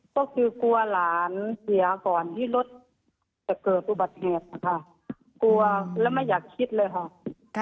ก็คือกลัวหลานเสียก่อนที่รถจะเกิดอุบัติเหตุนะคะกลัวแล้วไม่อยากคิดเลยค่ะ